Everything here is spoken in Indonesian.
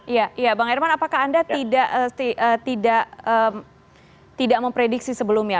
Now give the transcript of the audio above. iya iya bang herman apakah anda tidak memprediksi sebelumnya